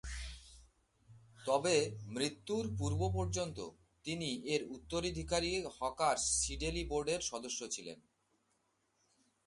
তবে মৃত্যুর পূর্ব পর্যন্ত তিনি এর উত্তরাধিকারী হকার সিডেলি বোর্ডের সদস্য ছিলেন।